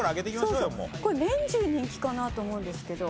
これ年中人気かなと思うんですけど。